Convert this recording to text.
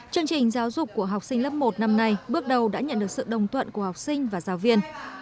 chương trình giáo dục của học sinh lớp một năm nay bước đầu đã nhận được sự đồng tuận của học sinh và giáo viên